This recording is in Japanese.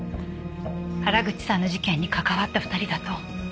原口さんの事件に関わった２人だと。